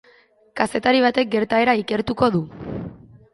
Kazetari batek gertaera ikertuko du.